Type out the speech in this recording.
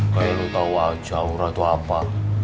kayaknya lu tau aja aura itu apa